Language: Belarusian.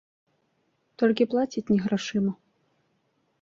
Толькі плацяць не грашыма.